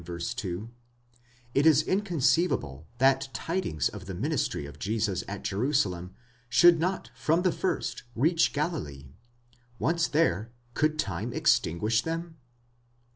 2), it is inconceivable that tidings of the ministry of Jesus at Jerusalem should not from the first reach Galilee. Once there, could time extinguish them?